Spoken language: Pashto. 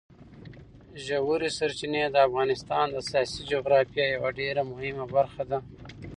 ژورې سرچینې د افغانستان د سیاسي جغرافیې یوه ډېره مهمه برخه ده.